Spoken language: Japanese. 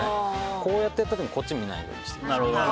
こうやっていった時にこっち見ないようにしてください。